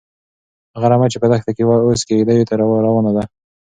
هغه رمه چې په دښته کې وه، اوس کيږديو ته راروانه ده.